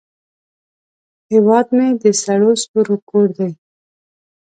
هیواد مې د سرو ستورو کور دی